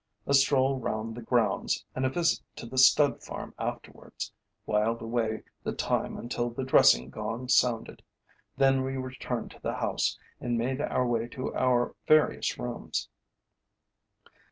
A stroll round the grounds, and a visit to the stud farm afterwards, wiled away the time until the dressing gong sounded. Then we returned to the house, and made our way to our various rooms.